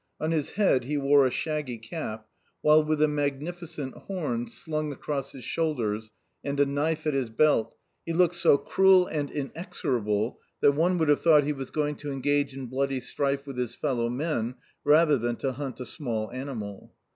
On his head he wore a shaggy cap, while, with a magnificent horn slung across his shoulders and a knife at his belt, he looked so cruel and inexorable that one would have thought he was going to engage in bloody strife with his fellow men rather than to hunt a small animal.